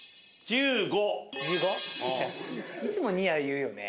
１５？いつもニア言うよね。